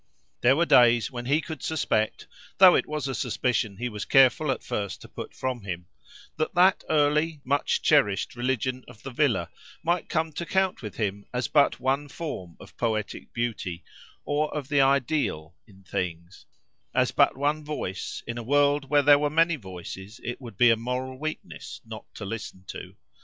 There were days when he could suspect, though it was a suspicion he was careful at first to put from him, that that early, much cherished religion of the villa might come to count with him as but one form of poetic beauty, or of the ideal, in things; as but one voice, in a world where there were many voices it would be a moral weakness not to listen to.